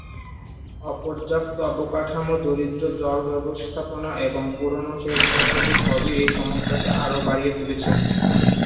অপর্যাপ্ত অবকাঠামো, দরিদ্র জল ব্যবস্থাপনা এবং পুরানো সেচ পদ্ধতি সবই এই সমস্যাকে আরও বাড়িয়ে তুলেছে।